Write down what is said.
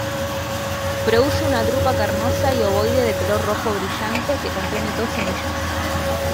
Produce una drupa carnosa y ovoide de color rojo brillante que contiene dos semillas.